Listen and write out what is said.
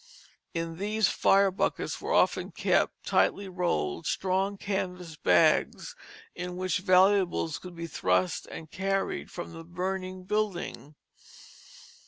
In these fire buckets were often kept, tightly rolled, strong canvas bags, in which valuables could be thrust and carried from the burning building.